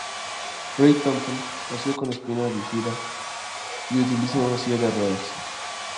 Grey-Thompson nació con espina bífida y utiliza una silla de ruedas.